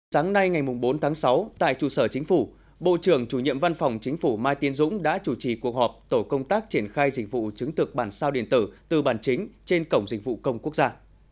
sáng nay ngày bốn tháng sáu tại trụ sở chính phủ bộ trưởng chủ nhiệm văn phòng chính phủ mai tiến dũng đã chủ trì cuộc họp tổ công tác triển khai dịch vụ chứng thực bản sao điện tử từ bản chính trên cổng dịch vụ công quốc gia